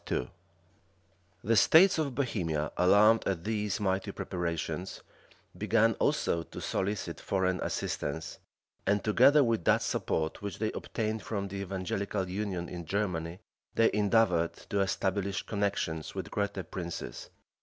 13,14. The states of Bohemia, alarmed at these mighty preparations, began also to solicit foreign assistance; and, together with that support which they obtained from the evangelical union in Germany, they endeavored to establish connections with greater princes.